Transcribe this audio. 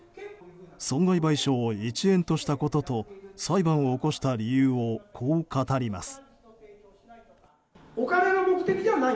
損害賠償を１円としたことと裁判を起こした理由をこう語ります。